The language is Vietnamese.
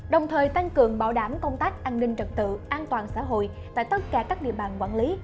đồng thời tăng cường bảo đảm công tác an ninh trật tự an toàn xã hội tại tất cả các địa bàn quản lý